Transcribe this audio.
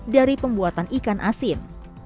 dari pembuatan ikan asin